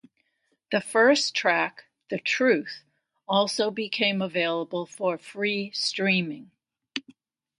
The first track, "The Truth", also became available for free streaming.